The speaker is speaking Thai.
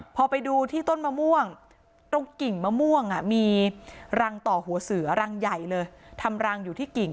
พอไปดูที่ต้นมะม่วงตรงกิ่งมะม่วงมีรังต่อหัวเสือรังใหญ่เลยทำรังอยู่ที่กิ่ง